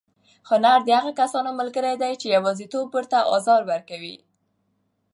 هنر د هغو کسانو ملګری دی چې یوازېتوب ورته ازار ورکوي.